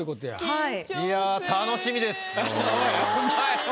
はい。